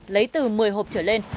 lấy từ một mươi hộp trở lên